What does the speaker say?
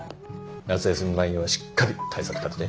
夏休み前にはしっかり対策立てて。